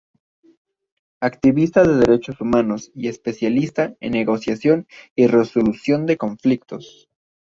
Activista de derechos humanos y especialista en negociación y resolución de conflictos.